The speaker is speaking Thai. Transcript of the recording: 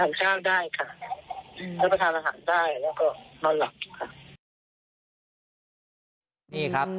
เค้าไปทานอาหารได้แล้วก็นอนหลังค่ะ